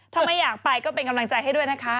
ถ้าไม่อยากไปก็เป็นกำลังใจให้ด้วยนะคะ